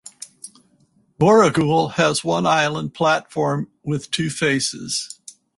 Booragul has one island platform with two faces.